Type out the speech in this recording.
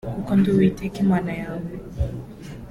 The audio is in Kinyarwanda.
kuko ndi Uwiteka Imana yawe